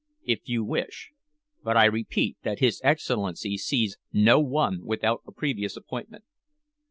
"If you wish, but I repeat that his Excellency sees no one without a previous appointment."